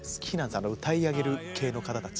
あの歌い上げる系の方たち。